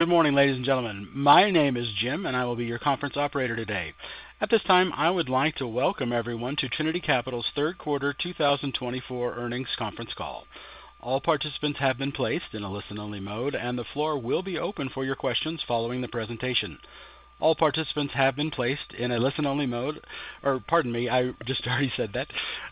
Good morning, ladies and gentlemen. My name is Jim, and I will be your conference operator today. At this time, I would like to welcome everyone to Trinity Capital's third quarter 2024 earnings conference call. All participants have been placed in a listen-only mode, and the floor will be open for your questions following the presentation. All participants have been placed in a listen-only mode, or, pardon me, I just already said that.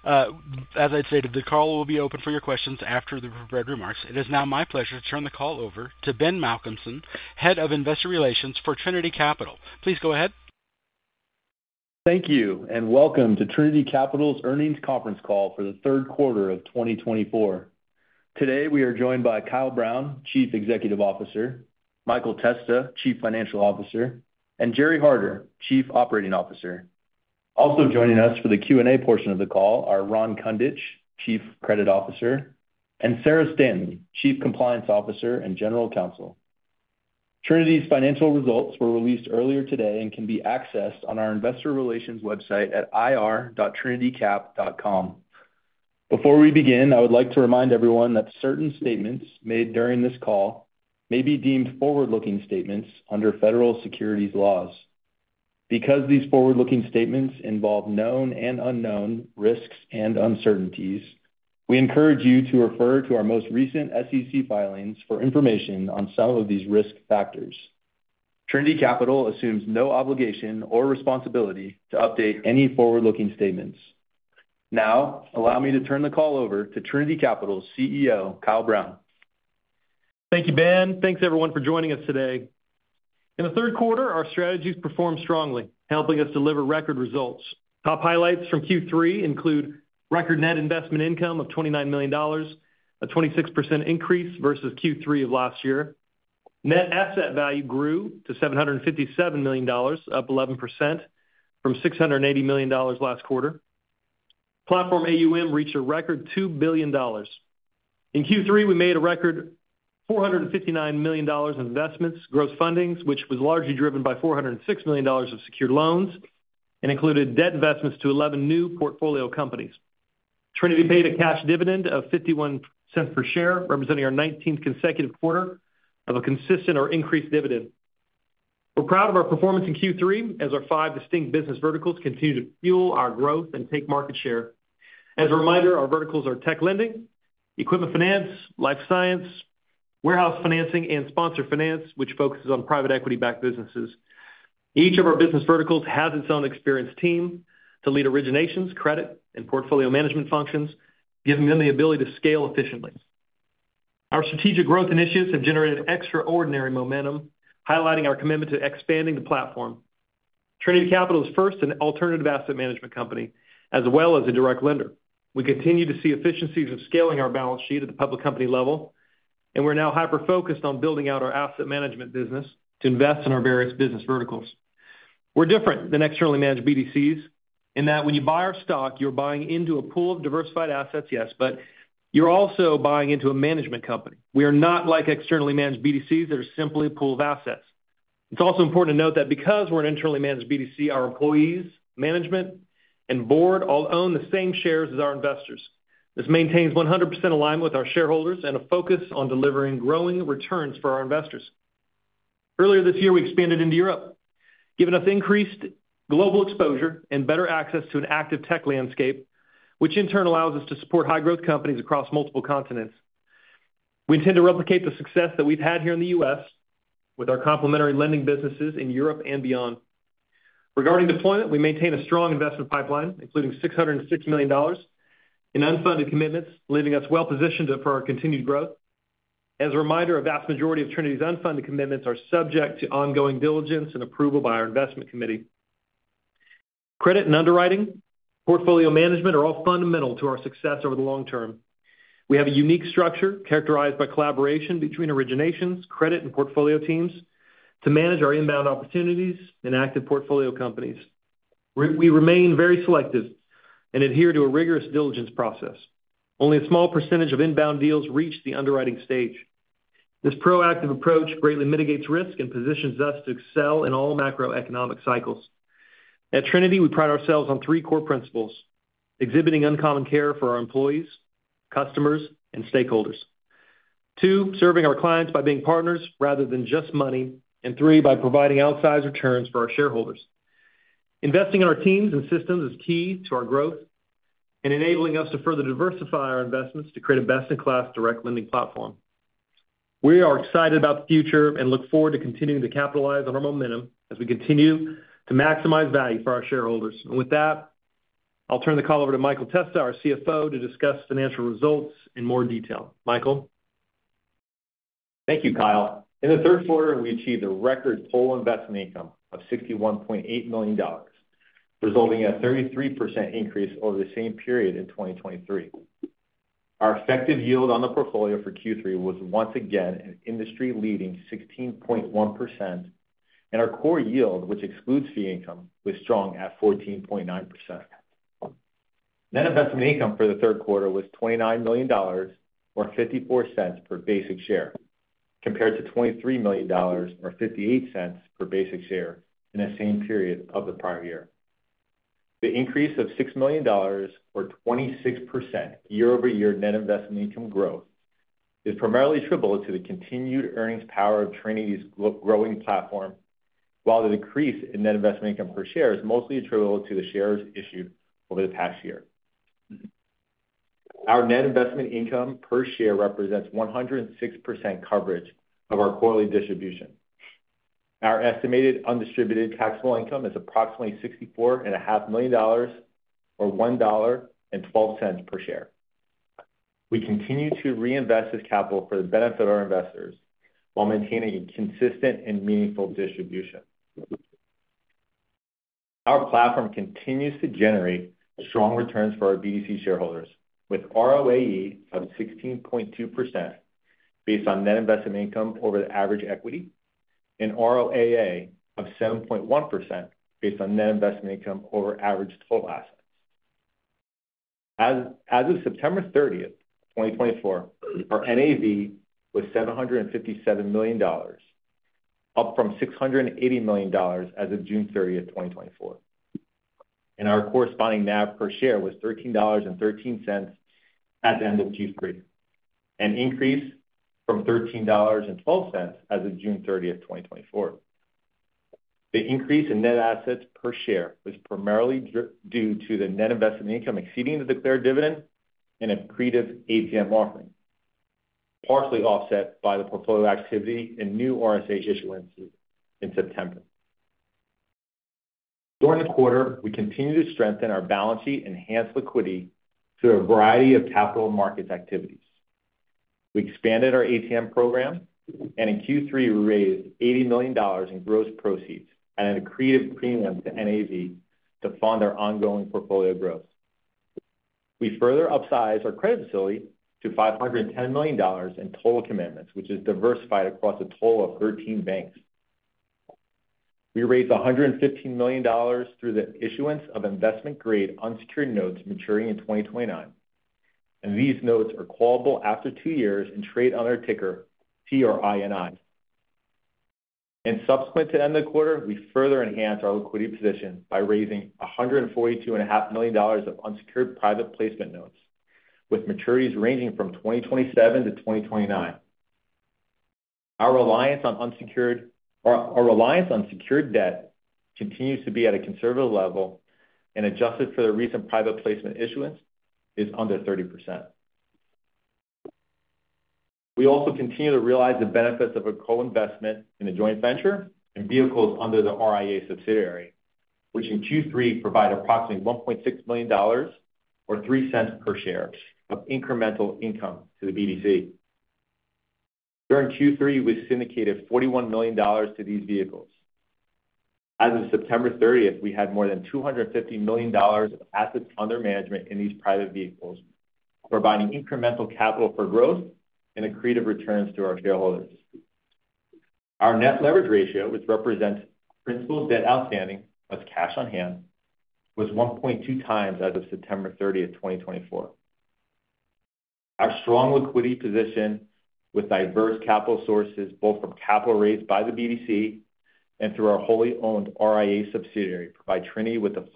As I stated, the call will be open for your questions after the prepared remarks. It is now my pleasure to turn the call over to Ben Malcolmson, Head of Investor Relations for Trinity Capital. Please go ahead. Thank you, and welcome to Trinity Capital's earnings conference call for the third quarter of 2024. Today, we are joined by Kyle Brown, Chief Executive Officer, Michael Testa, Chief Financial Officer, and Gerry Harder, Chief Operating Officer. Also joining us for the Q&A portion of the call are Ron Kundich, Chief Credit Officer, and Sarah Stanton, Chief Compliance Officer and General Counsel. Trinity's financial results were released earlier today and can be accessed on our Investor Relations website at ir.trinitycap.com. Before we begin, I would like to remind everyone that certain statements made during this call may be deemed forward-looking statements under federal securities laws. Because these forward-looking statements involve known and unknown risks and uncertainties, we encourage you to refer to our most recent SEC filings for information on some of these risk factors. Trinity Capital assumes no obligation or responsibility to update any forward-looking statements. Now, allow me to turn the call over to Trinity Capital's CEO, Kyle Brown. Thank you, Ben. Thanks, everyone, for joining us today. In the third quarter, our strategies performed strongly, helping us deliver record results. Top highlights from Q3 include record net investment income of $29 million, a 26% increase versus Q3 of last year. Net asset value grew to $757 million, up 11% from $680 million last quarter. Platform AUM reached a record $2 billion. In Q3, we made a record $459 million in investments, gross fundings, which was largely driven by $406 million of secured loans and included debt investments to 11 new portfolio companies. Trinity paid a cash dividend of $0.51 per share, representing our 19th consecutive quarter of a consistent or increased dividend. We're proud of our performance in Q3 as our five distinct business verticals continue to fuel our growth and take market share. As a reminder, our verticals are tech lending, equipment finance, life sciences, warehouse financing, and sponsor finance, which focuses on private equity-backed businesses. Each of our business verticals has its own experienced team to lead originations, credit, and portfolio management functions, giving them the ability to scale efficiently. Our strategic growth initiatives have generated extraordinary momentum, highlighting our commitment to expanding the platform. Trinity Capital is first an alternative asset management company as well as a direct lender. We continue to see efficiencies in scaling our balance sheet at the public company level, and we're now hyper-focused on building out our asset management business to invest in our various business verticals. We're different than externally managed BDCs in that when you buy our stock, you're buying into a pool of diversified assets, yes, but you're also buying into a management company. We are not like externally managed BDCs that are simply a pool of assets. It's also important to note that because we're an internally managed BDC, our employees, management, and board all own the same shares as our investors. This maintains 100% alignment with our shareholders and a focus on delivering growing returns for our investors. Earlier this year, we expanded into Europe, giving us increased global exposure and better access to an active tech landscape, which in turn allows us to support high-growth companies across multiple continents. We intend to replicate the success that we've had here in the U.S. with our complementary lending businesses in Europe and beyond. Regarding deployment, we maintain a strong investment pipeline, including $650 million in unfunded commitments, leaving us well-positioned for our continued growth. As a reminder, a vast majority of Trinity's unfunded commitments are subject to ongoing diligence and approval by our investment committee. Credit and underwriting, portfolio management are all fundamental to our success over the long term. We have a unique structure characterized by collaboration between originations, credit, and portfolio teams to manage our inbound opportunities and active portfolio companies. We remain very selective and adhere to a rigorous diligence process. Only a small percentage of inbound deals reach the underwriting stage. This proactive approach greatly mitigates risk and positions us to excel in all macroeconomic cycles. At Trinity, we pride ourselves on three core principles: exhibiting uncommon care for our employees, customers, and stakeholders, two, serving our clients by being partners rather than just money, and three, by providing outsized returns for our shareholders. Investing in our teams and systems is key to our growth and enabling us to further diversify our investments to create a best-in-class direct lending platform. We are excited about the future and look forward to continuing to capitalize on our momentum as we continue to maximize value for our shareholders. And with that, I'll turn the call over to Michael Testa, our CFO, to discuss financial results in more detail. Michael. Thank you, Kyle. In the third quarter, we achieved a record total investment income of $61.8 million, resulting in a 33% increase over the same period in 2023. Our effective yield on the portfolio for Q3 was once again an industry-leading 16.1%, and our core yield, which excludes fee income, was strong at 14.9%. Net investment income for the third quarter was $29 million, or $0.54 per basic share, compared to $23 million, or $0.58 per basic share in the same period of the prior year. The increase of $6 million, or 26% year-over-year net investment income growth, is primarily attributable to the continued earnings power of Trinity's growing platform, while the decrease in net investment income per share is mostly attributable to the shares issued over the past year. Our net investment income per share represents 106% coverage of our quarterly distribution. Our estimated undistributed taxable income is approximately $64.5 million, or $1.12 per share. We continue to reinvest this capital for the benefit of our investors while maintaining a consistent and meaningful distribution. Our platform continues to generate strong returns for our BDC shareholders, with ROAE of 16.2% based on net investment income over the average equity and ROAA of 7.1% based on net investment income over average total assets. As of September 30, 2024, our NAV was $757 million, up from $680 million as of June 30, 2024, and our corresponding NAV per share was $13.13 at the end of Q3, an increase from $13.12 as of June 30, 2024. The increase in net assets per share was primarily due to the net investment income exceeding the declared dividend and a creative ATM offering, partially offset by the portfolio activity and new RSA issuance in September. During the quarter, we continued to strengthen our balance sheet and enhance liquidity through a variety of capital markets activities. We expanded our ATM program, and in Q3, we raised $80 million in gross proceeds and added an attractive premium to NAV to fund our ongoing portfolio growth. We further upsized our credit facility to $510 million in total commitments, which is diversified across a total of 13 banks. We raised $115 million through the issuance of investment-grade unsecured notes maturing in 2029. And these notes are callable after two years and trade under ticker TRIN. And subsequent to the end of the quarter, we further enhanced our liquidity position by raising $142.5 million of unsecured private placement notes, with maturities ranging from 2027 to 2029. Our reliance on unsecured debt continues to be at a conservative level, and adjusted for the recent private placement issuance is under 30%. We also continue to realize the benefits of a co-investment in a joint venture and vehicles under the RIA subsidiary, which in Q3 provided approximately $1.6 million, or $0.03 per share, of incremental income to the BDC. During Q3, we syndicated $41 million to these vehicles. As of September 30, we had more than $250 million of assets under management in these private vehicles, providing incremental capital for growth and accretive returns to our shareholders. Our net leverage ratio, which represents principal debt outstanding plus cash on hand, was 1.2 times as of September 30, 2024. Our strong liquidity position, with diverse capital sources both from capital raised by the BDC and through our wholly owned RIA subsidiary, provides Trinity with the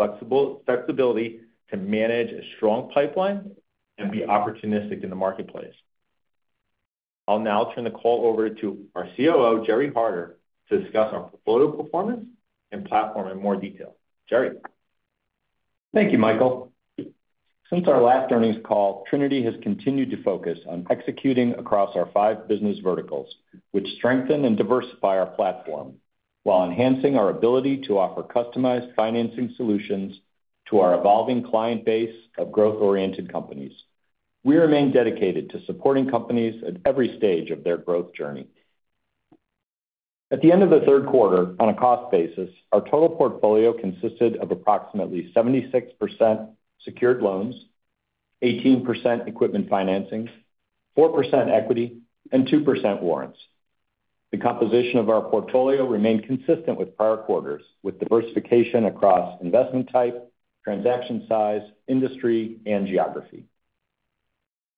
flexibility to manage a strong pipeline and be opportunistic in the marketplace. I'll now turn the call over to our COO, Gerry Harder, to discuss our portfolio performance and platform in more detail. Gerry. Thank you, Michael. Since our last earnings call, Trinity has continued to focus on executing across our five business verticals, which strengthen and diversify our platform while enhancing our ability to offer customized financing solutions to our evolving client base of growth-oriented companies. We remain dedicated to supporting companies at every stage of their growth journey. At the end of the third quarter, on a cost basis, our total portfolio consisted of approximately 76% secured loans, 18% equipment financing, 4% equity, and 2% warrants. The composition of our portfolio remained consistent with prior quarters, with diversification across investment type, transaction size, industry, and geography.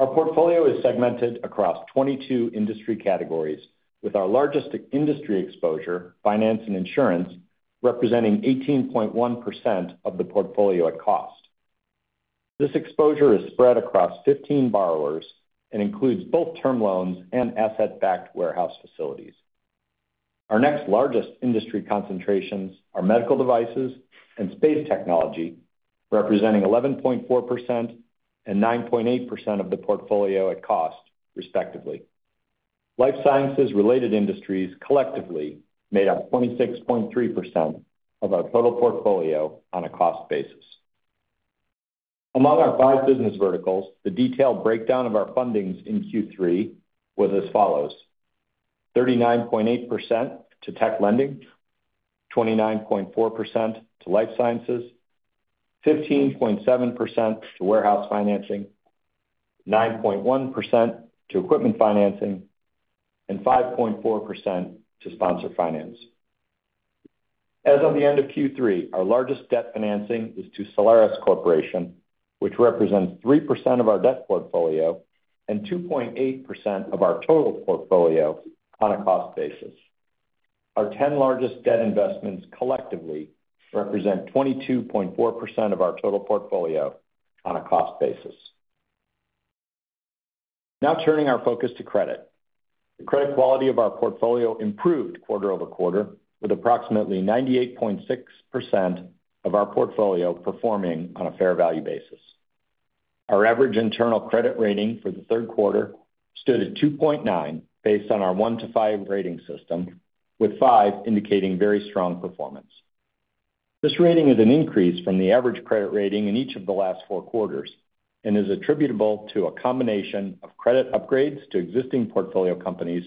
Our portfolio is segmented across 22 industry categories, with our largest industry exposure, finance and insurance, representing 18.1% of the portfolio at cost. This exposure is spread across 15 borrowers and includes both term loans and asset-backed warehouse facilities. Our next largest industry concentrations are medical devices and space technology, representing 11.4% and 9.8% of the portfolio at cost, respectively. Life sciences-related industries collectively made up 26.3% of our total portfolio on a cost basis. Among our five business verticals, the detailed breakdown of our fundings in Q3 was as follows: 39.8% to tech lending, 29.4% to life sciences, 15.7% to warehouse financing, 9.1% to equipment financing, and 5.4% to sponsor finance. As of the end of Q3, our largest debt financing is to Sierra Space Corporation, which represents 3% of our debt portfolio and 2.8% of our total portfolio on a cost basis. Our 10 largest debt investments collectively represent 22.4% of our total portfolio on a cost basis. Now turning our focus to credit. The credit quality of our portfolio improved quarter over quarter, with approximately 98.6% of our portfolio performing on a fair value basis. Our average internal credit rating for the third quarter stood at 2.9 based on our 1 to 5 rating system, with 5 indicating very strong performance. This rating is an increase from the average credit rating in each of the last four quarters and is attributable to a combination of credit upgrades to existing portfolio companies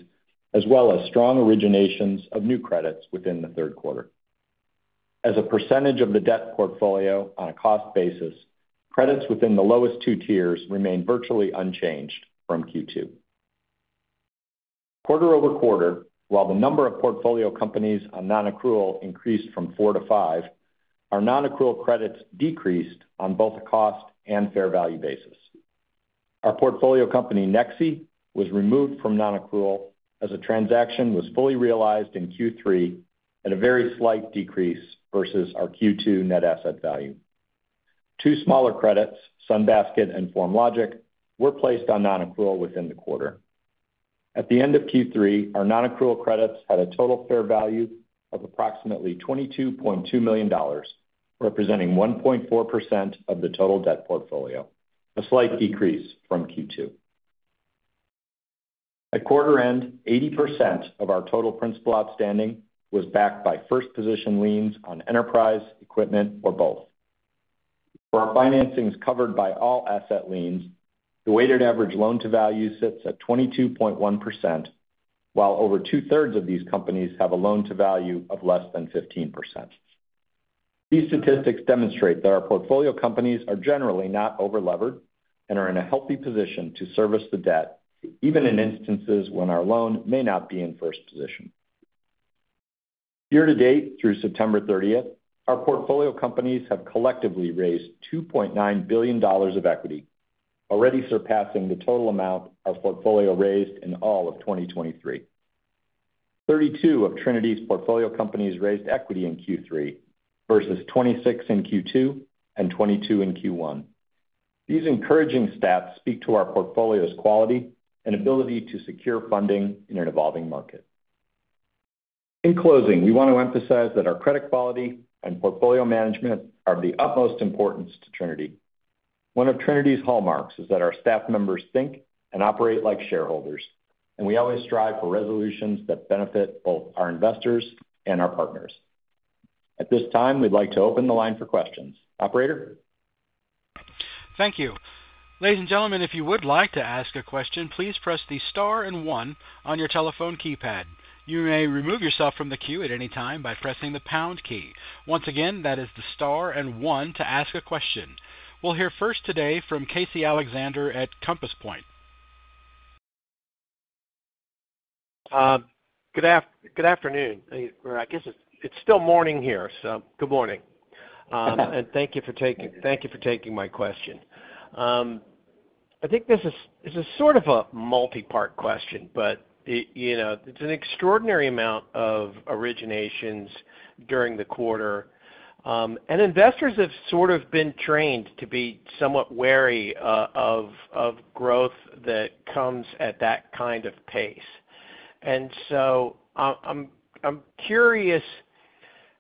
as well as strong originations of new credits within the third quarter. As a percentage of the debt portfolio on a cost basis, credits within the lowest two tiers remain virtually unchanged from Q2. Quarter over quarter, while the number of portfolio companies on non-accrual increased from 4 to 5, our non-accrual credits decreased on both a cost and fair value basis. Our portfolio company Nexii was removed from non-accrual as a transaction was fully realized in Q3 at a very slight decrease versus our Q2 net asset value. Two smaller credits, Sunbasket and FormLogic, were placed on non-accrual within the quarter. At the end of Q3, our non-accrual credits had a total fair value of approximately $22.2 million, representing 1.4% of the total debt portfolio, a slight decrease from Q2. At quarter end, 80% of our total principal outstanding was backed by first-position liens on enterprise, equipment, or both. For our financings covered by all asset liens, the weighted average loan-to-value sits at 22.1%, while over two-thirds of these companies have a loan-to-value of less than 15%. These statistics demonstrate that our portfolio companies are generally not over-levered and are in a healthy position to service the debt, even in instances when our loan may not be in first position. Year-to-date, through September 30, our portfolio companies have collectively raised $2.9 billion of equity, already surpassing the total amount our portfolio raised in all of 2023. 32 of Trinity's portfolio companies raised equity in Q3, versus 26 in Q2 and 22 in Q1. These encouraging stats speak to our portfolio's quality and ability to secure funding in an evolving market. In closing, we want to emphasize that our credit quality and portfolio management are of the utmost importance to Trinity. One of Trinity's hallmarks is that our staff members think and operate like shareholders, and we always strive for resolutions that benefit both our investors and our partners. At this time, we'd like to open the line for questions. Operator? Thank you. Ladies and gentlemen, if you would like to ask a question, please press the star and one on your telephone keypad. You may remove yourself from the queue at any time by pressing the pound key. Once again, that is the star and one to ask a question. We'll hear first today from Casey Alexander at Compass Point. Good afternoon. I guess it's still morning here, so good morning. And thank you for taking my question. I think this is sort of a multi-part question, but it's an extraordinary amount of originations during the quarter. And investors have sort of been trained to be somewhat wary of growth that comes at that kind of pace. And so I'm curious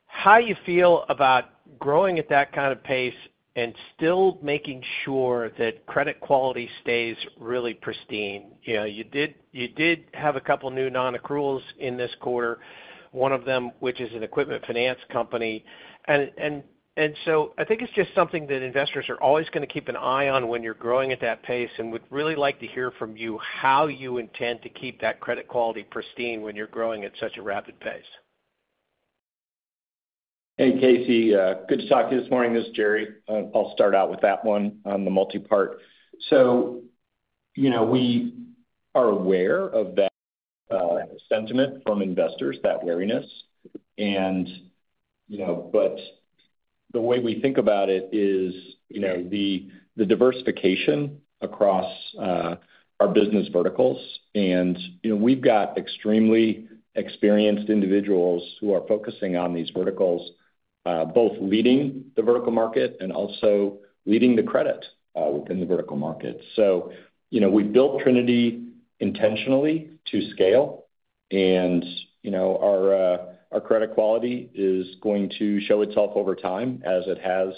how you feel about growing at that kind of pace and still making sure that credit quality stays really pristine. You did have a couple of new non-accruals in this quarter, one of them which is an equipment finance company. And so I think it's just something that investors are always going to keep an eye on when you're growing at that pace. And we'd really like to hear from you how you intend to keep that credit quality pristine when you're growing at such a rapid pace. Hey, Casey. Good to talk to you this morning. This is Gerry. I'll start out with that one on the multi-part. So we are aware of that sentiment from investors, that wariness. But the way we think about it is the diversification across our business verticals. And we've got extremely experienced individuals who are focusing on these verticals, both leading the vertical market and also leading the credit within the vertical market. So we built Trinity intentionally to scale. And our credit quality is going to show itself over time as it has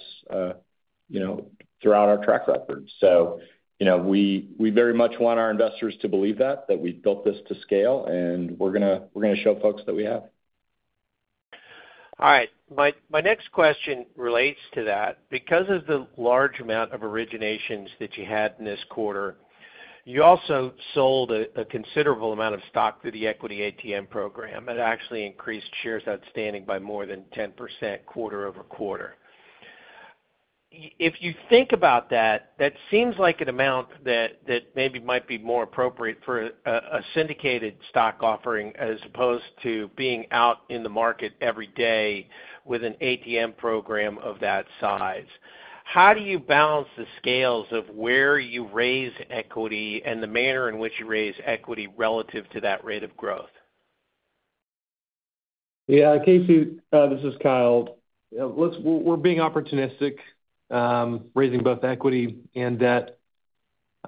throughout our track record. So we very much want our investors to believe that, that we've built this to scale, and we're going to show folks that we have. All right. My next question relates to that. Because of the large amount of originations that you had in this quarter, you also sold a considerable amount of stock through the equity ATM program. It actually increased shares outstanding by more than 10% quarter over quarter. If you think about that, that seems like an amount that maybe might be more appropriate for a syndicated stock offering as opposed to being out in the market every day with an ATM program of that size. How do you balance the scales of where you raise equity and the manner in which you raise equity relative to that rate of growth? Yeah. Casey, this is Kyle. We're being opportunistic, raising both equity and debt.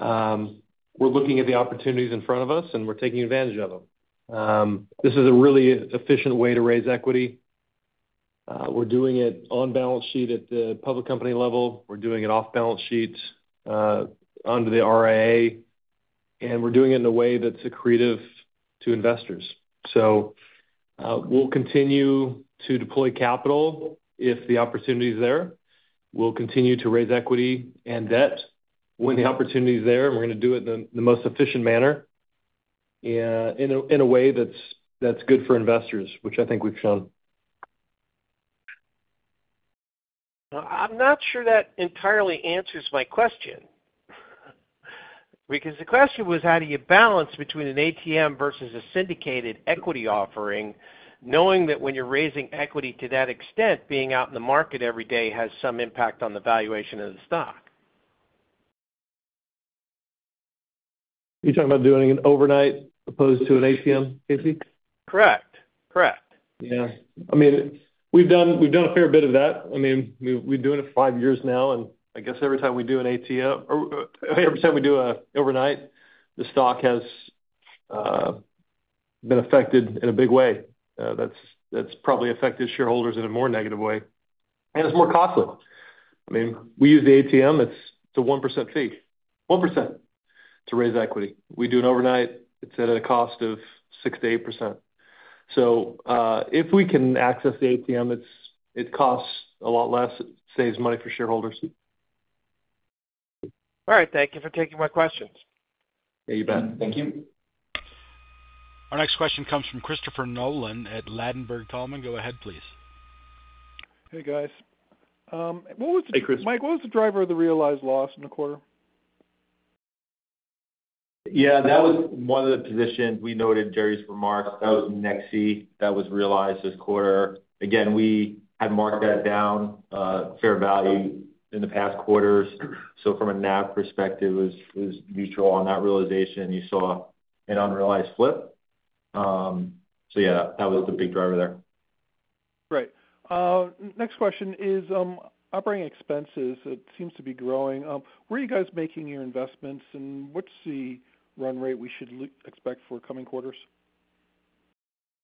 We're looking at the opportunities in front of us, and we're taking advantage of them. This is a really efficient way to raise equity. We're doing it on balance sheet at the public company level. We're doing it off balance sheet under the RIA. And we're doing it in a way that's accretive to investors. So we'll continue to deploy capital if the opportunity is there. We'll continue to raise equity and debt when the opportunity is there. And we're going to do it in the most efficient manner in a way that's good for investors, which I think we've shown. I'm not sure that entirely answers my question. Because the question was, how do you balance between an ATM versus a syndicated equity offering, knowing that when you're raising equity to that extent, being out in the market every day has some impact on the valuation of the stock? You're talking about doing an overnight opposed to an ATM, Casey? Correct. Correct. Yeah. I mean, we've done a fair bit of that. I mean, we've been doing it for five years now, and I guess every time we do an ATM, every time we do an overnight, the stock has been affected in a big way. That's probably affected shareholders in a more negative way, and it's more costly. I mean, we use the ATM. It's a 1% fee, 1%, to raise equity. We do an overnight. It's at a cost of 6%-8%. So if we can access the ATM, it costs a lot less. It saves money for shareholders. All right. Thank you for taking my questions. Yeah, you bet. Thank you. Our next question comes from Christopher Nolan at Ladenburg Thalmann. Go ahead, please. Hey, guys. Hey, Chris. What was the driver of the realized loss in the quarter? Yeah. That was one of the positions we noted Gerry's remarks. That was Nexii. That was realized this quarter. Again, we had marked that down, fair value in the past quarters. So from a NAV perspective, it was neutral on that realization. You saw an unrealized flip. So yeah, that was the big driver there. Right. Next question is operating expenses. It seems to be growing. Where are you guys making your investments, and what's the run rate we should expect for coming quarters?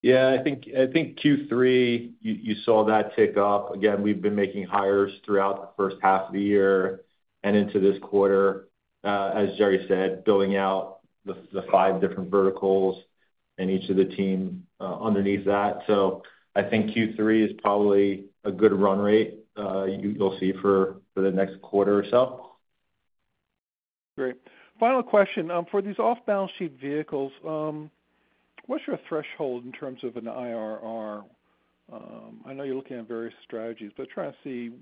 Yeah. I think Q3, you saw that tick up. Again, we've been making hires throughout the first half of the year and into this quarter, as Gerry said, building out the five different verticals and each of the teams underneath that. So I think Q3 is probably a good run rate you'll see for the next quarter or so. Great. Final question. For these off-balance sheet vehicles, what's your threshold in terms of an IRR? I know you're looking at various strategies, but I'm trying to see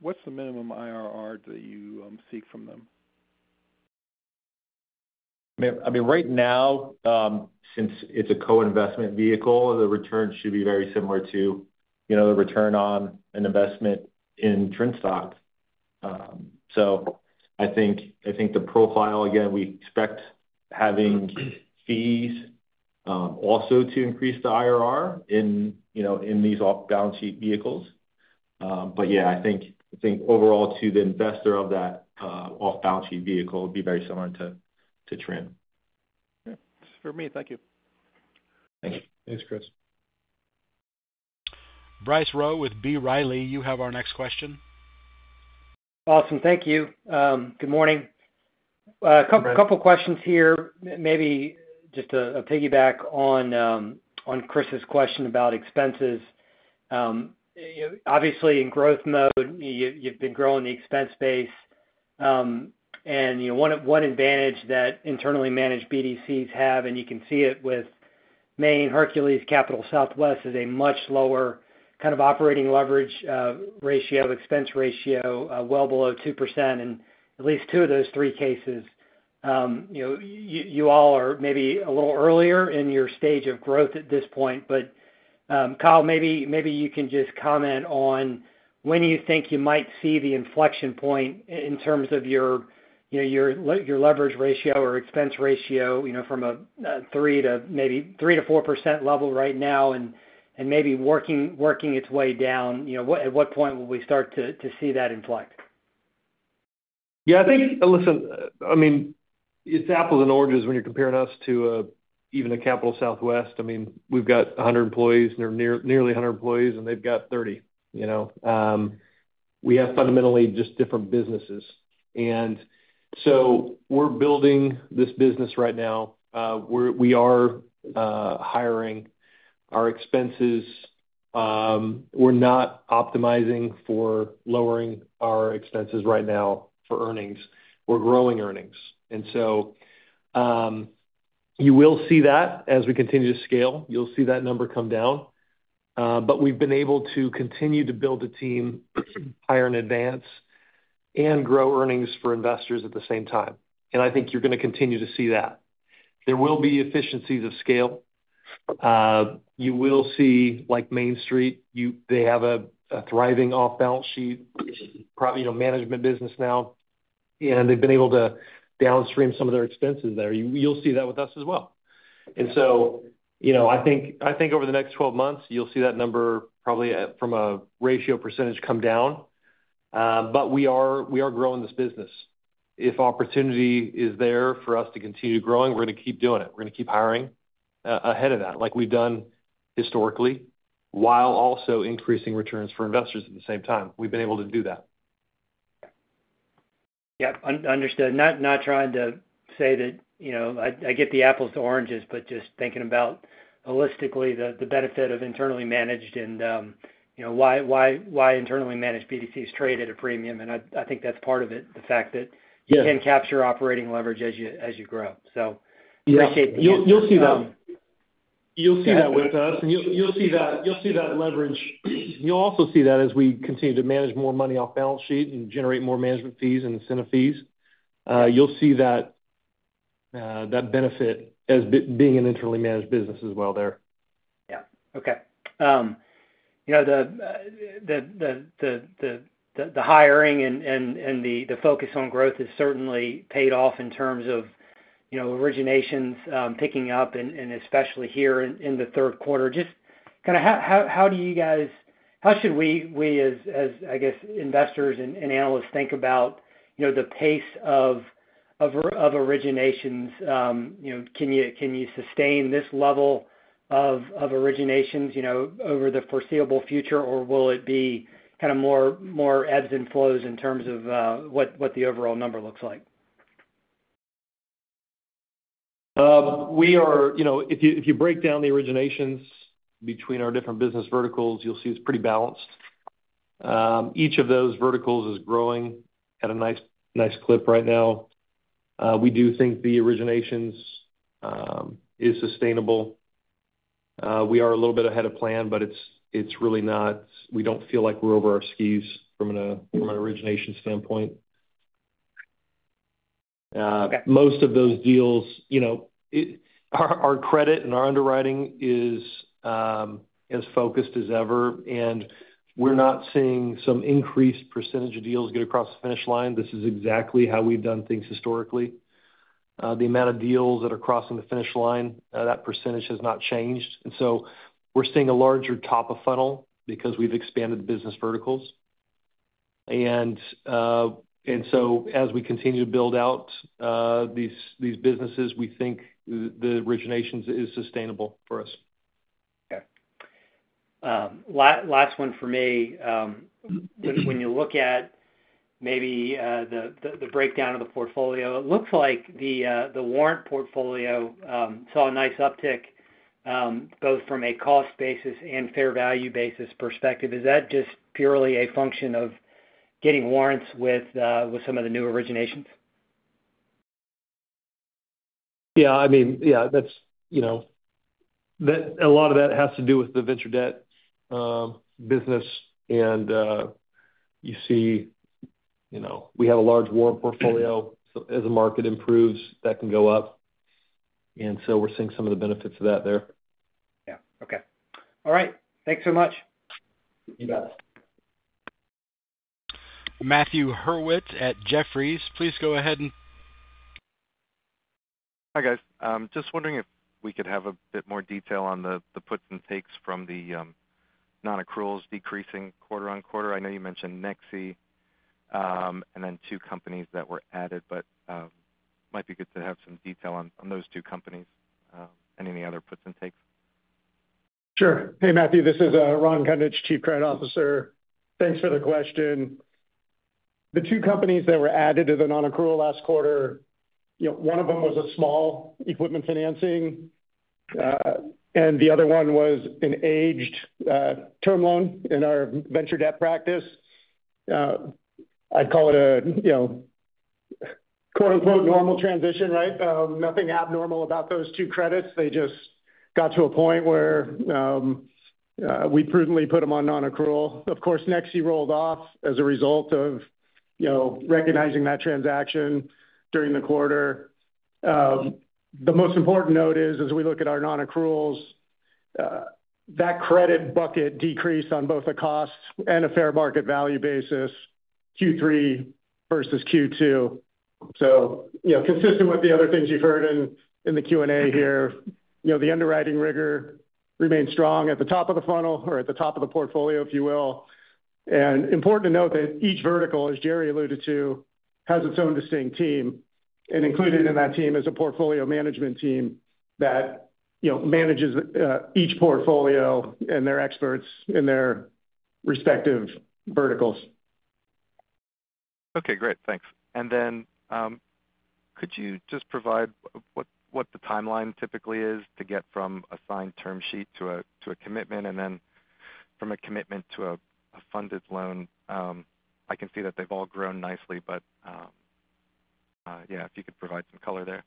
what's the minimum IRR that you seek from them? I mean, right now, since it's a co-investment vehicle, the return should be very similar to the return on an investment in TRIN stock. So I think the profile, again, we expect having fees also to increase the IRR in these off-balance sheet vehicles. But yeah, I think overall, to the investor of that off-balance sheet vehicle, it would be very similar to TRIN. For me. Thank you. Thanks. Thanks, Chris. Bryce Rowe with B. Riley. You have our next question. Awesome. Thank you. Good morning. A couple of questions here, maybe just to piggyback on Chris's question about expenses. Obviously, in growth mode, you've been growing the expense base. One advantage that internally managed BDCs have, and you can see it with Main, Hercules, Capital Southwest, is a much lower kind of operating leverage ratio, expense ratio, well below 2% in at least two of those three cases. You all are maybe a little earlier in your stage of growth at this point. Kyle, maybe you can just comment on when you think you might see the inflection point in terms of your leverage ratio or expense ratio from a 3% to maybe 3%-4% level right now and maybe working its way down. At what point will we start to see that inflect? Yeah. I think, listen, I mean, it's apples and oranges when you're comparing us to even a Capital Southwest. I mean, we've got 100 employees, nearly 100 employees, and they've got 30. We have fundamentally just different businesses. And so we're building this business right now. We are hiring. Our expenses, we're not optimizing for lowering our expenses right now for earnings. We're growing earnings. And so you will see that as we continue to scale. You'll see that number come down. But we've been able to continue to build a team hire in advance and grow earnings for investors at the same time. And I think you're going to continue to see that. There will be economies of scale. You will see, like Main Street, they have a thriving off-balance sheet management business now. And they've been able to downstream some of their expenses there. You'll see that with us as well. And so I think over the next 12 months, you'll see that number probably from a ratio percentage come down. But we are growing this business. If opportunity is there for us to continue growing, we're going to keep doing it. We're going to keep hiring ahead of that, like we've done historically, while also increasing returns for investors at the same time. We've been able to do that. Yep. Understood. Not trying to say that I get the apples to oranges, but just thinking about holistically the benefit of internally managed and why internally managed BDCs trade at a premium, and I think that's part of it, the fact that you can capture operating leverage as you grow, so appreciate the insight. Yeah. You'll see that with us. And you'll see that leverage. You'll also see that as we continue to manage more money off-balance sheet and generate more management fees and incentive fees. You'll see that benefit as being an internally managed business as well there. Yeah. Okay. The hiring and the focus on growth has certainly paid off in terms of originations picking up, and especially here in the third quarter. Just kind of how should we, as I guess investors and analysts, think about the pace of originations? Can you sustain this level of originations over the foreseeable future, or will it be kind of more ebbs and flows in terms of what the overall number looks like? If you break down the originations between our different business verticals, you'll see it's pretty balanced. Each of those verticals is growing at a nice clip right now. We do think the originations is sustainable. We are a little bit ahead of plan, but it's really not. We don't feel like we're over our skis from an origination standpoint. Most of those deals, our credit and our underwriting is as focused as ever. And we're not seeing some increased percentage of deals get across the finish line. This is exactly how we've done things historically. The amount of deals that are crossing the finish line, that percentage has not changed. And so we're seeing a larger top of funnel because we've expanded the business verticals. And so as we continue to build out these businesses, we think the originations is sustainable for us. Okay. Last one for me. When you look at maybe the breakdown of the portfolio, it looks like the warrant portfolio saw a nice uptick both from a cost basis and fair value basis perspective. Is that just purely a function of getting warrants with some of the new originations? Yeah. I mean, yeah, a lot of that has to do with the venture debt business. And you see we have a large warrant portfolio. As the market improves, that can go up. And so we're seeing some of the benefits of that there. Yeah. Okay. All right. Thanks so much. You bet. Matthew Hurwitz at Jefferies. Please go ahead and. Hi, guys. Just wondering if we could have a bit more detail on the puts and takes from the non-accruals decreasing quarter on quarter? I know you mentioned Nexii and then two companies that were added, but it might be good to have some detail on those two companies and any other puts and takes. Sure. Hey, Matthew. This is Ron Kundich, Chief Credit Officer. Thanks for the question. The two companies that were added to the non-accrual last quarter, one of them was a small equipment financing, and the other one was an aged term loan in our venture debt practice. I'd call it a "normal transition," right? Nothing abnormal about those two credits. They just got to a point where we prudently put them on non-accrual. Of course, Nexii rolled off as a result of recognizing that transaction during the quarter. The most important note is, as we look at our non-accruals, that credit bucket decreased on both a cost and a fair market value basis, Q3 versus Q2. So consistent with the other things you've heard in the Q&A here, the underwriting rigor remains strong at the top of the funnel or at the top of the portfolio, if you will. Important to note that each vertical, as Gerry alluded to, has its own distinct team. Included in that team is a portfolio management team that manages each portfolio and their experts in their respective verticals. Okay. Great. Thanks. And then could you just provide what the timeline typically is to get from a signed term sheet to a commitment, and then from a commitment to a funded loan? I can see that they've all grown nicely, but yeah, if you could provide some color there.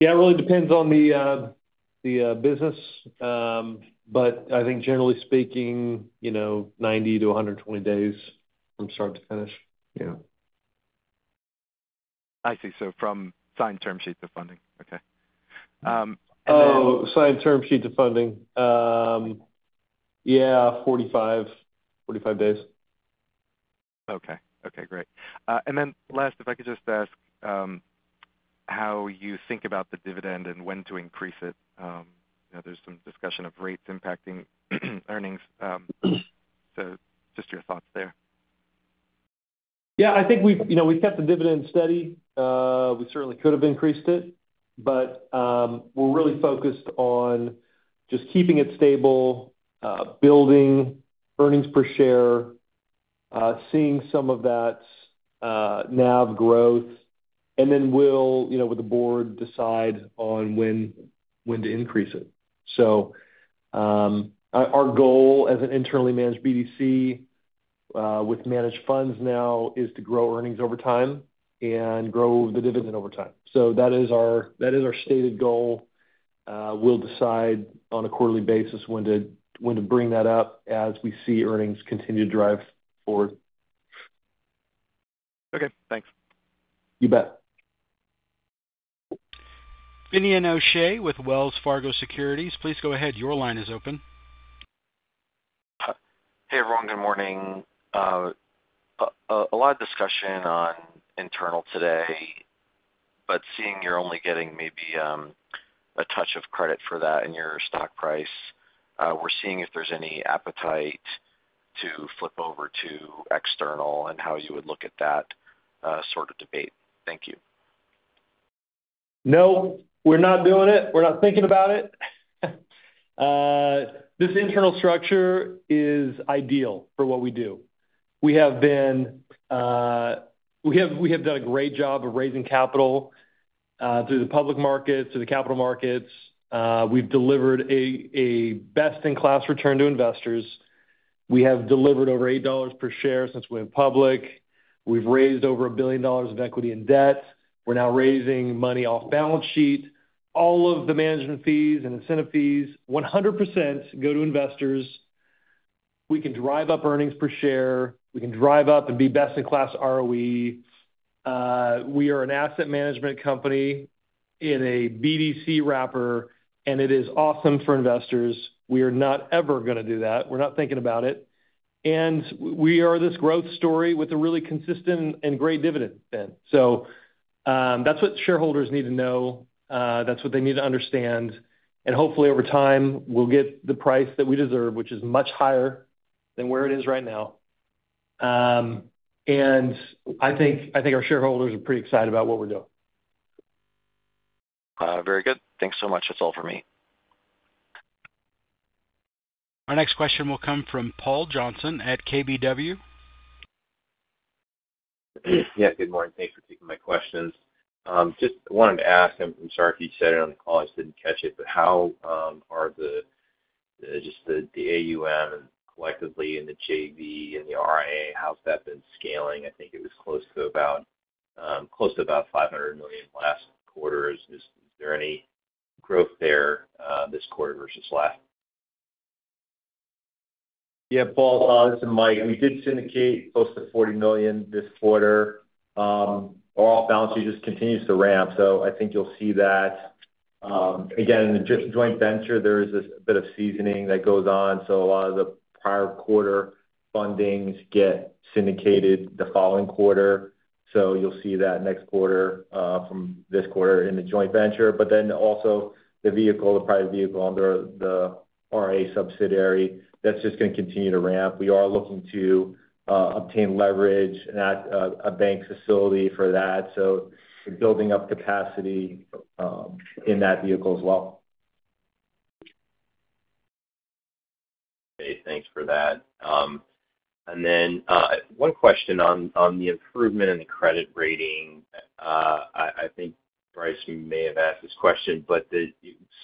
Yeah. It really depends on the business. But I think, generally speaking, 90-120 days from start to finish. Yeah. I see. So from signed term sheet to funding. Okay. And then. Oh, signed term sheet to funding. Yeah, 45 days. Okay. Okay. Great. And then last, if I could just ask how you think about the dividend and when to increase it? There's some discussion of rates impacting earnings. So just your thoughts there. Yeah. I think we've kept the dividend steady. We certainly could have increased it, but we're really focused on just keeping it stable, building earnings per share, seeing some of that NAV growth, and then we'll, with the board, decide on when to increase it. So our goal as an internally managed BDC with managed funds now is to grow earnings over time and grow the dividend over time. So that is our stated goal. We'll decide on a quarterly basis when to bring that up as we see earnings continue to drive forward. Okay. Thanks. You bet. Finian O'Shea with Wells Fargo Securities. Please go ahead. Your line is open. Hey, everyone. Good morning. A lot of discussion on internal today, but seeing you're only getting maybe a touch of credit for that in your stock price. We're seeing if there's any appetite to flip over to external and how you would look at that sort of debate? Thank you. No. We're not doing it. We're not thinking about it. This internal structure is ideal for what we do. We have done a great job of raising capital through the public markets, through the capital markets. We've delivered a best-in-class return to investors. We have delivered over $8 per share since we went public. We've raised over $1 billion of equity and debt. We're now raising money off-balance sheet. All of the management fees and incentive fees 100% go to investors. We can drive up earnings per share. We can drive up and be best-in-class ROE. We are an asset management company in a BDC wrapper, and it is awesome for investors. We are not ever going to do that. We're not thinking about it. And we are this growth story with a really consistent and great dividend, Ben. So that's what shareholders need to know. That's what they need to understand. And hopefully, over time, we'll get the price that we deserve, which is much higher than where it is right now. And I think our shareholders are pretty excited about what we're doing. Very good. Thanks so much. That's all for me. Our next question will come from Paul Johnson at KBW. Yeah. Good morning. Thanks for taking my questions. Just wanted to ask, and I'm sorry if you said it on the call, I just didn't catch it, but how are just the AUM collectively and the JV and the RIA? How's that been scaling? I think it was close to about $500 million last quarter. Is there any growth there this quarter versus last? Yeah. Paul, this is Mike, we did syndicate close to $40 million this quarter. Our off-balance sheet just continues to ramp. So I think you'll see that. Again, in the joint venture, there is a bit of seasoning that goes on. So a lot of the prior quarter fundings get syndicated the following quarter. So you'll see that next quarter from this quarter in the joint venture. But then also the vehicle, the private vehicle under the RIA subsidiary, that's just going to continue to ramp. We are looking to obtain leverage and a bank facility for that. So building up capacity in that vehicle as well. Great. Thanks for that and then one question on the improvement in the credit rating. I think Bryce may have asked this question, but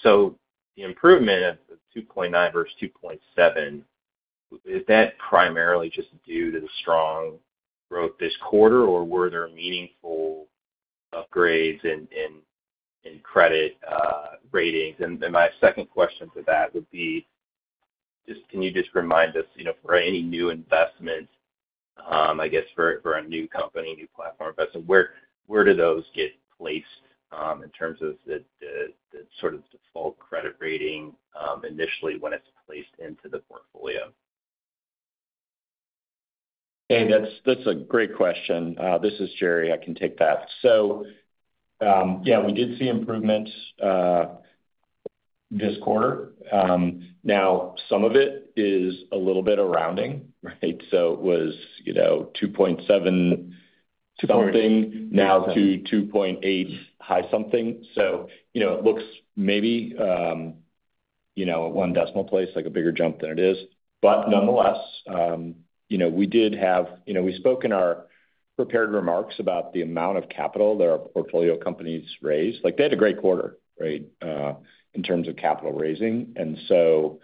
so the improvement of 2.9 versus 2.7, is that primarily just due to the strong growth this quarter, or were there meaningful upgrades in credit ratings, and my second question to that would be, can you just remind us for any new investments, I guess, for a new company, new platform investment, where do those get placed in terms of the sort of default credit rating initially when it's placed into the portfolio? Hey, that's a great question. This is Gerry. I can take that. So yeah, we did see improvements this quarter. Now, some of it is a little bit of rounding, right? So it was 2.7 something now to 2.8 high something. So it looks maybe a one decimal place, like a bigger jump than it is. But nonetheless, we did have. We spoke in our prepared remarks about the amount of capital that our portfolio companies raised. They had a great quarter, right, in terms of capital raising. And so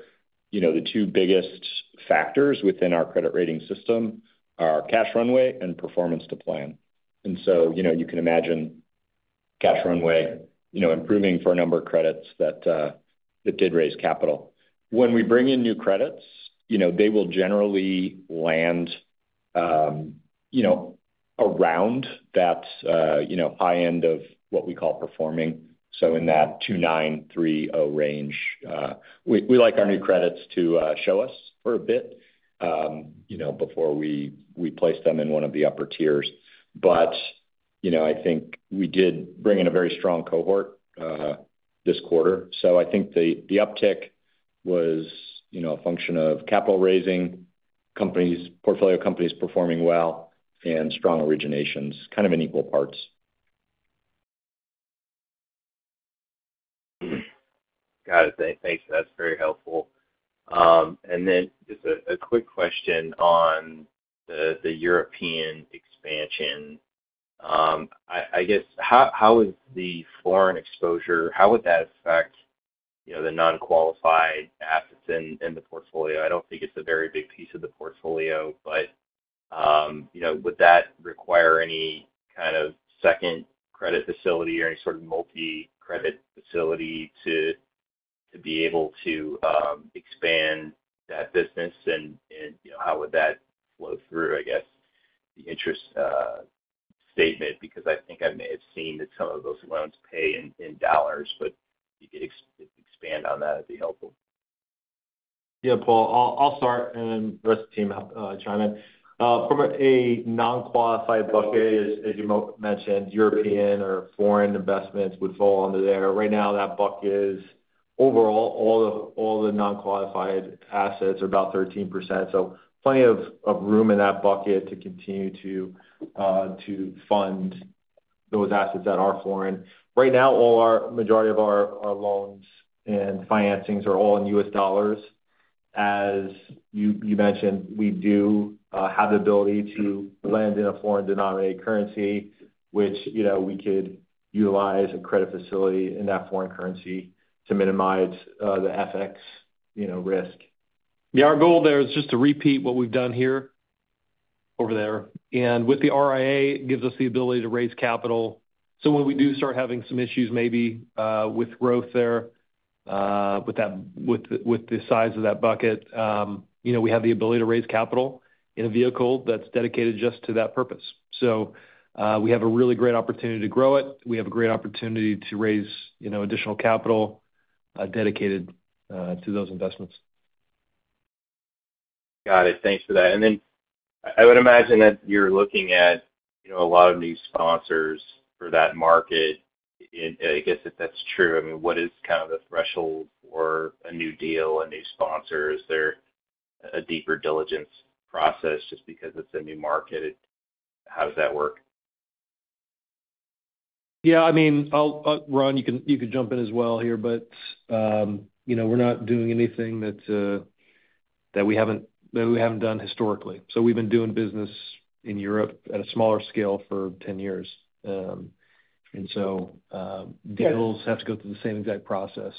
the two biggest factors within our credit rating system are cash runway and performance to plan. And so you can imagine cash runway improving for a number of credits that did raise capital. When we bring in new credits, they will generally land around that high end of what we call performing. So in that 2.9, 3.0 range, we like our new credits to show us for a bit before we place them in one of the upper tiers. But I think we did bring in a very strong cohort this quarter. So I think the uptick was a function of capital raising, portfolio companies performing well, and strong originations, kind of in equal parts. Got it. Thanks. That's very helpful. And then just a quick question on the European expansion. I guess, how is the foreign exposure? How would that affect the non-qualified assets in the portfolio? I don't think it's a very big piece of the portfolio, but would that require any kind of second credit facility or any sort of multi-currency facility to be able to expand that business? And how would that flow through, I guess, the income statement? Because I think I may have seen that some of those loans pay in dollars, but if you could expand on that, that'd be helpful. Yeah, Paul. I'll start, and then the rest of the team will chime in. From a non-qualified bucket, as you mentioned, European or foreign investments would fall under there. Right now, that bucket is overall, all the non-qualified assets are about 13%. So plenty of room in that bucket to continue to fund those assets that are foreign. Right now, the majority of our loans and financings are all in U.S. dollars. As you mentioned, we do have the ability to lend in a foreign-denominated currency, which we could utilize a credit facility in that foreign currency to minimize the FX risk. Yeah. Our goal there is just to repeat what we've done here over there. And with the RIA, it gives us the ability to raise capital. So when we do start having some issues maybe with growth there, with the size of that bucket, we have the ability to raise capital in a vehicle that's dedicated just to that purpose. So we have a really great opportunity to grow it. We have a great opportunity to raise additional capital dedicated to those investments. Got it. Thanks for that. And then I would imagine that you're looking at a lot of new sponsors for that market. I guess if that's true, I mean, what is kind of the threshold for a new deal, a new sponsor? Is there a deeper diligence process just because it's a new market? How does that work? Yeah. I mean, Ron, you can jump in as well here, but we're not doing anything that we haven't done historically, so we've been doing business in Europe at a smaller scale for 10 years, and so deals have to go through the same exact process.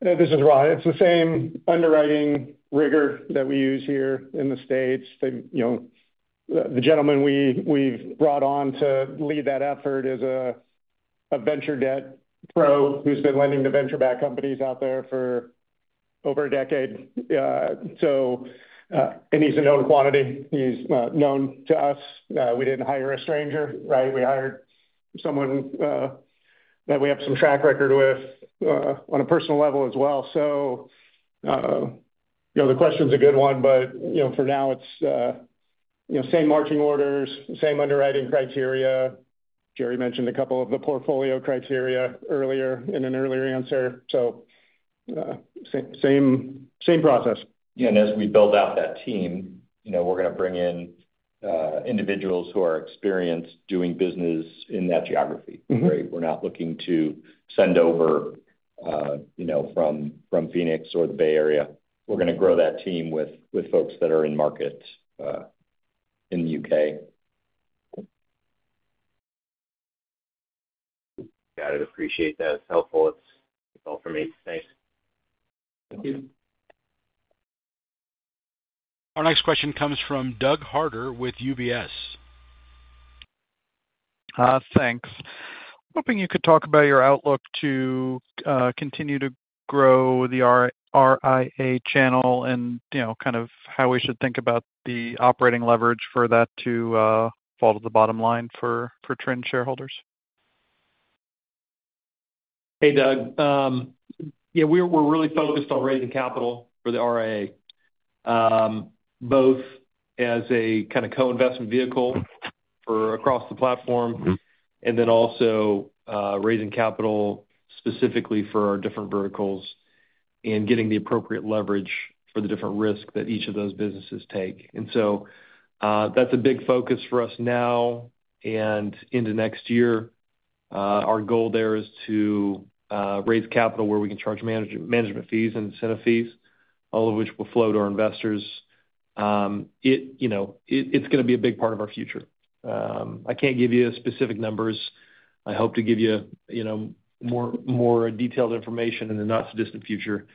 This is Ron. It's the same underwriting rigor that we use here in the States. The gentleman we've brought on to lead that effort is a venture debt pro who's been lending to venture-backed companies out there for over a decade. And he's a known quantity. He's known to us. We didn't hire a stranger, right? We hired someone that we have some track record with on a personal level as well. So the question's a good one, but for now, it's same marching orders, same underwriting criteria. Gerry mentioned a couple of the portfolio criteria earlier in an earlier answer. So same process. Yeah. And as we build out that team, we're going to bring in individuals who are experienced doing business in that geography, right? We're not looking to send over from Phoenix or the Bay Area. We're going to grow that team with folks that are in markets in the U.K. Got it. Appreciate that. It's helpful. That's all for me. Thanks. Thank you. Our next question comes from Doug Harter with UBS. Thanks. Hoping you could talk about your outlook to continue to grow the RIA channel and kind of how we should think about the operating leverage for that to fall to the bottom line for TRIN shareholders? Hey, Doug. Yeah, we're really focused on raising capital for the RIA, both as a kind of co-investment vehicle across the platform and then also raising capital specifically for our different verticals and getting the appropriate leverage for the different risks that each of those businesses take. And so that's a big focus for us now and into next year. Our goal there is to raise capital where we can charge management fees and incentive fees, all of which will flow to our investors. It's going to be a big part of our future. I can't give you specific numbers. I hope to give you more detailed information in the not-so-distant future.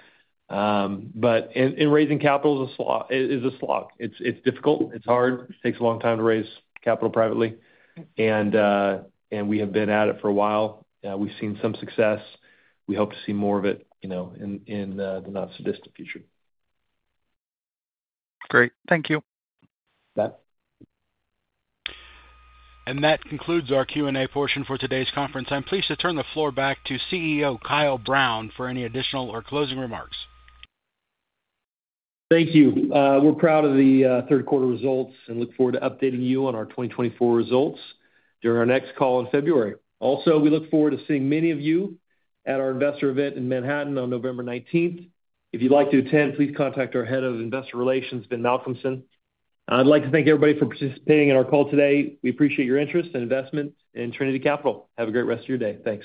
But raising capital is a slog. It's difficult. It's hard. It takes a long time to raise capital privately. And we have been at it for a while. We've seen some success. We hope to see more of it in the not-so-distant future. Great. Thank you. Bye. That concludes our Q&A portion for today's conference. I'm pleased to turn the floor back to CEO Kyle Brown for any additional or closing remarks. Thank you. We're proud of the third-quarter results and look forward to updating you on our 2024 results during our next call in February. Also, we look forward to seeing many of you at our investor event in Manhattan on November 19th. If you'd like to attend, please contact our head of investor relations, Ben Malcolmson. I'd like to thank everybody for participating in our call today. We appreciate your interest and investment in Trinity Capital. Have a great rest of your day. Thanks.